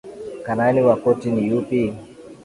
Karani wa koti ni yupi?